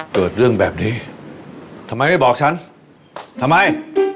เกิดเรื่องแบบนี้ทำไมไม่บอกฉันทำไม